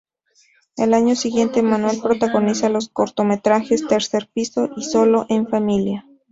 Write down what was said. Al año siguiente, Manuel protagoniza los cortometrajes "Tercer piso" y "Sólo en familia".